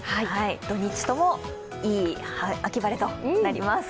土日とも、いい秋晴れとなります。